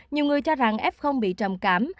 nhiều người cho rằng f bị trầm cảm